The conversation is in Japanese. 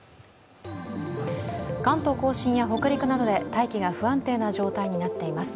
関東甲信や北陸などで大気が不安定な状態となっています。